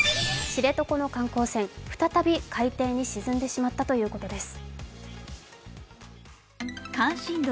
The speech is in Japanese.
知床の観光船再び海底に沈んでしまったということです。